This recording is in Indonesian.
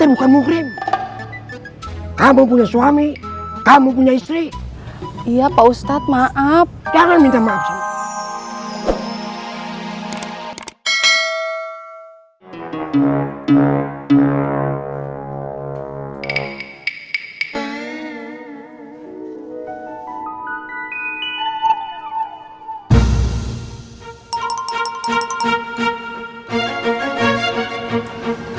bukan mengkrim kamu punya suami kamu punya istri iya pak ustadz maaf jangan minta maaf